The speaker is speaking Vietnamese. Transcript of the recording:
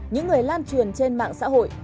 những người lan truyền trên mạng xã hội